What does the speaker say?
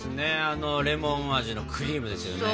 あのレモン味のクリームですよね。